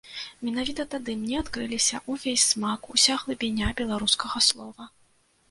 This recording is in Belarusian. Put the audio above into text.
Менавіта тады мне адкрыліся ўвесь смак, уся глыбіня беларускага слова.